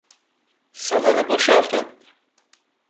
Salonu boşaltın!